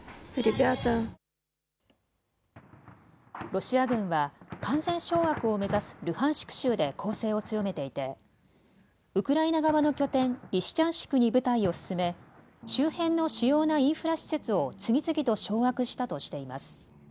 ロシア軍は完全掌握を目指すルハンシク州で攻勢を強めていてウクライナ側の拠点リシチャンシクに部隊を進め周辺の主要なインフラ施設を次々と掌握したとしています。